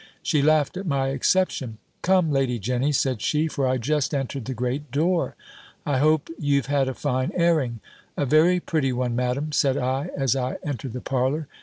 She laughed at my exception: "Come, Lady Jenny," said she, (for I just entered the great door), "I hope you've had a fine airing." "A very pretty one, Madam," said I, as I entered the parlour.